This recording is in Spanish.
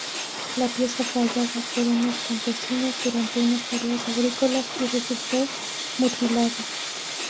La pieza fue hallada por unos campesinos durante unas tareas agrícolas y resultó mutilada.